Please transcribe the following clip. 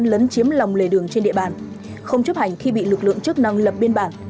công an thị trấn chiếm lòng lề đường trên địa bàn không chấp hành khi bị lực lượng chức năng lập biên bản